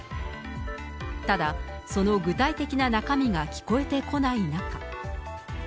ただ、その具体的な中身が聞こえてこない中。